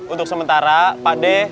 untuk sementara pak deh